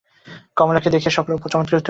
কমলাকে দেখিয়া সকলে চমৎকৃত হইল।